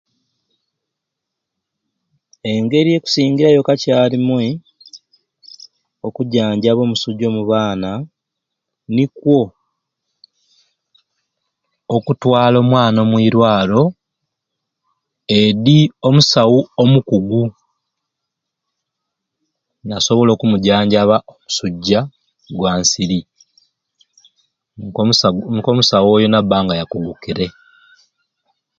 Engeri ekusingirayo kakyarumwei okujanjaba omusujja omu baana nikwo okutwala omwana omwirwalo edi omusawu omukugu nasobola okumujanjaba omusujja gwa nsiri nko nko musawo oyo naba nga wakugukire